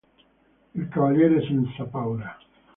Il cavaliere senza paura